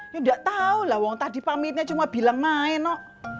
ya gak tau lah orang tadi pamitnya cuma bilang main noh